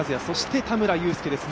そして、田村友佑。